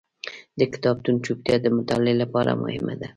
د کتابتون چوپتیا د مطالعې لپاره مهمه ده.